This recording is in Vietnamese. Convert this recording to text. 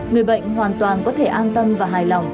người bệnh hoàn toàn có thể an tâm và hài lòng